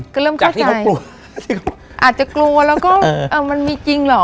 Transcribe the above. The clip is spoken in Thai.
ก็เริ่มเข้าใจกลัวอาจจะกลัวแล้วก็มันมีจริงเหรอ